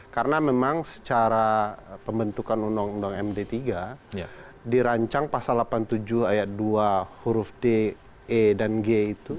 karena memang secara pembentukan undang undang md tiga dirancang pasal delapan puluh tujuh ayat dua huruf d e dan g itu